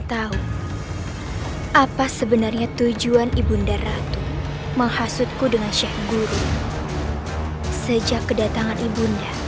tahu apa sebenarnya tujuan ibunda tuh menghasut ku dengan syekh guru sejak kedatangan ibunda